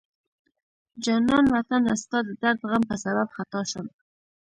جانان وطنه ستا د درد غم په سبب خطا شم